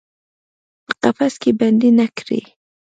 په قفس کې بندۍ نه کړي